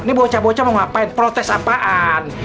ini bocah bocah mau ngapain protes apaan